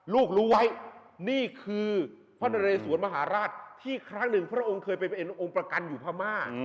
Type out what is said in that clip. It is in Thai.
ลูกรู้ไว้นี่คือพระนเรสวนมหาราชที่ครั้งหนึ่งพระองค์เคยไปเป็นองค์ประกันอยู่พม่า